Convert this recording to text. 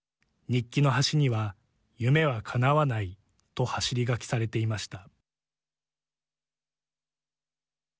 日記の端には夢は、かなわないと走り書きされていました。